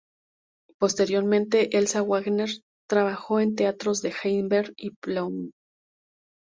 Posteriormente Elsa Wagner trabajó en teatros de Heidelberg y Plauen.